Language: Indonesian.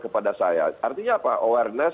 kepada saya artinya apa awareness